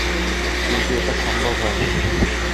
কিন্তু সেটা সম্ভব হয় নি।